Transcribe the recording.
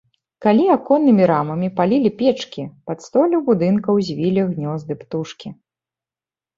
Калі аконнымі рамамі палілі печкі, пад столлю будынкаў звілі гнёзды птушкі.